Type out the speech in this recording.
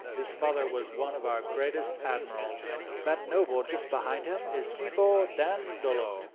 His father was one of our greatest admirals. "That noble just behind him is Fiofio Dandolo.